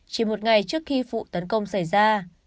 chỉ một ngày trước khi vụ tấn công xảy ra